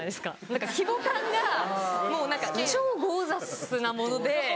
何か規模感がもう何か超ゴージャスなもので。